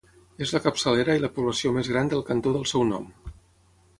És la capçalera i la població més gran del cantó del seu nom.